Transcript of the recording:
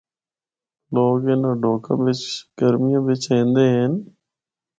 لوگ انِاں ڈھوکاں بچ گرمیاں بچ ایندے ہن۔